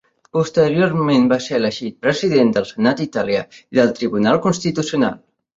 Posteriorment va ser elegit president del Senat italià i del Tribunal Constitucional.